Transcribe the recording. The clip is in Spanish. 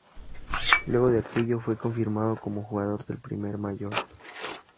Luego de aquello, fue confirmado como jugador del primer mayor.